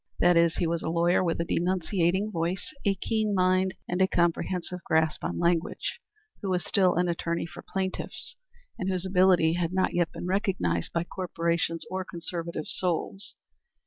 That is he was a lawyer with a denunciating voice, a keen mind, and a comprehensive grasp on language, who was still an attorney for plaintiffs, and whose ability had not yet been recognized by corporations or conservative souls.